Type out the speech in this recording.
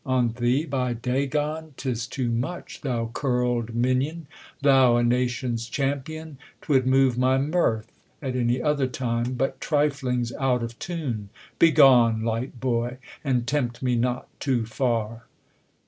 on thee ! by Dagon, 'tis too much I Thou curled minion ! thou a nation's champion ! 'Twould move my mirth af any other time ; But trilling's out of tune. Begone, light boy ! And temj)tmc not too f^ir.